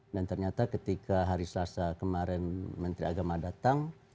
dan ternyata ketika hari selasa kemarin menteri agama datang